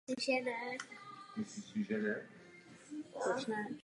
Jednou zastávkou byla i Praha a koncert v Roxy klubu.